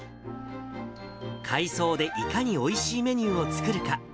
海藻でいかにおいしいメニューを作るか。